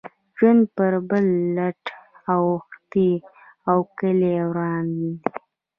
ژوند پر بل لټ اوښتی او کلی وران دی.